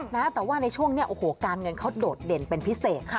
แต่ว่าในช่วงนี้โอ้โหการเงินเขาโดดเด่นเป็นพิเศษ